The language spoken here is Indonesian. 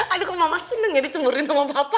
aduh kok mama senang ya dicemburuin sama papa